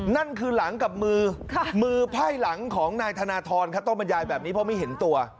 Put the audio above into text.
นั่นคือหลังกับมือมือไพ่หลังของนายธนทรต้องบรรยายแบบนี้เพราะไม่เห็นตัว